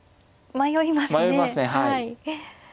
迷いますねはい。